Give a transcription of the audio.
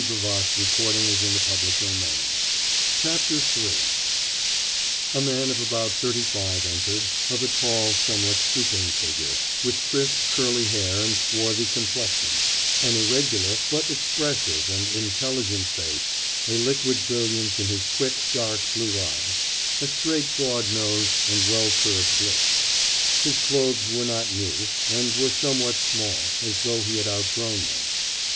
'Dmitri Nikolaitch Rudin,' announced the servant III A man of about thirty five entered, of a tall, somewhat stooping figure, with crisp curly hair and swarthy complexion, an irregular but expressive and intelligent face, a liquid brilliance in his quick, dark blue eyes, a straight, broad nose, and well curved lips. His clothes were not new, and were somewhat small, as though he had outgrown them.